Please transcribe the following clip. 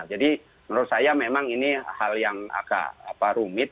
jadi menurut saya memang ini hal yang agak rumit